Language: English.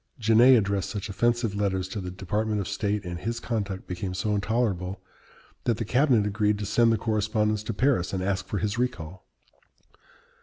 Genet addressed such offensive letters to the Department of State, and his conduct became so intolerable, that the cabinet agreed to send the correspondence to Paris and ask for his recall.